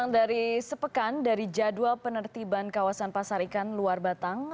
dari sepekan dari jadwal penertiban kawasan pasar ikan luar batang